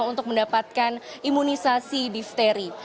untuk mendapatkan imunisasi difteri